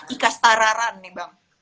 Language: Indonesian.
ikastararan nih bang